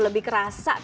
lebih kerasa kayaknya